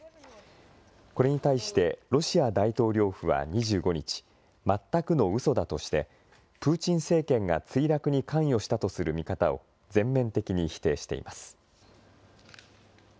これに対してロシア大統領府は２５日、全くのうそだとして、プーチン政権が墜落に関与したとする見方を全面的に否定しています。